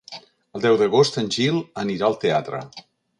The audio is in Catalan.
El deu d'agost en Gil anirà al teatre.